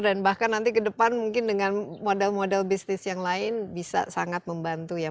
bahkan nanti ke depan mungkin dengan model model bisnis yang lain bisa sangat membantu ya